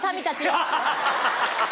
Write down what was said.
ハハハハ。